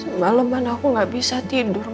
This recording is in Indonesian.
semaleman aku nggak bisa tidur ma